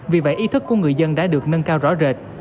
vì vậy ý thức của người dân đã được nâng cao rõ rệt